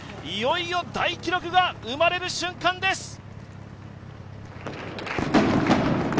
いよいよ大記録が生まれる瞬間です。